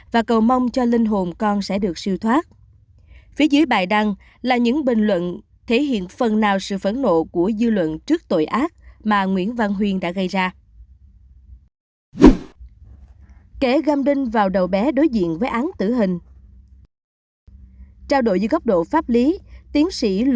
và cầu mong đồng hành với các bạn